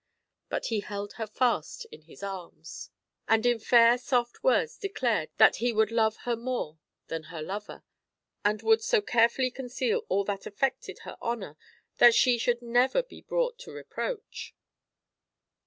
But he held her fast in his arms, and in fair 150 THE HEPTAMERON. soft words declared that he would love her more than her lover, and would so carefully conceal all that affected her honour that she should never be brought to reproach.